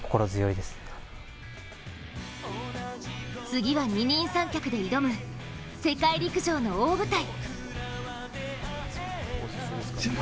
次は二人三脚で挑む世界陸上の大舞台。